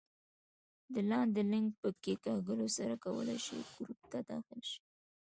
د لاندې لینک په کېکاږلو سره کولای شئ ګروپ ته داخل شئ